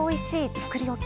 つくりおき」。